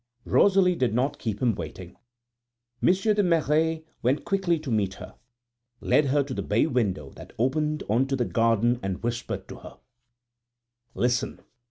Rosalie did not keep him waiting. Monsieur de Merret went quickly to meet her, led her to the bay window that opened on to the garden and whispered to her: "Listen!